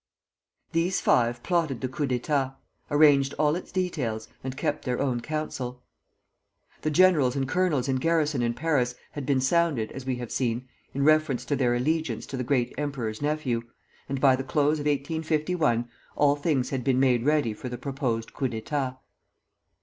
These five plotted the coup d'état; arranged all its details, and kept their own counsel. [Footnote 1: De Maupas, Le Coup d'Etat.] The generals and colonels in garrison in Paris had been sounded, as we have seen, in reference to their allegiance to the Great Emperor's nephew, and by the close of 1851 all things had been made ready for the proposed coup d'état.